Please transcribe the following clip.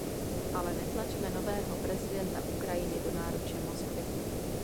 Ale netlačme nového prezidenta Ukrajiny do náruče Moskvy.